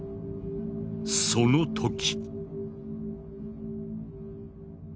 その時。